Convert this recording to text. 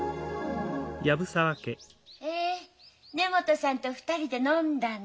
へえ根本さんと２人で飲んだんだ。